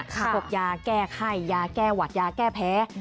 พวกยาแก้ไข้ยาแก้หวัดยาแก้แพ้